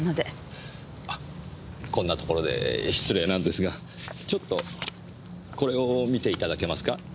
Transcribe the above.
あこんなところで失礼なんですがちょっとこれを見ていただけますか？